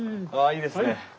いいですね。